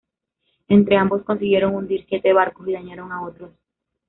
Entre ambos consiguieron hundir siete barcos y dañaron a otros.